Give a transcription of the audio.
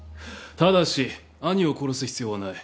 ただし兄を殺す必要はない。